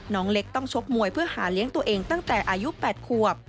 น้องเล็กต้องชกมวยเพื่อหาเลี้ยงตัวเองตั้งแต่อายุ๘ขวบ